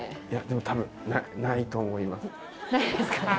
いやでも多分ないですか？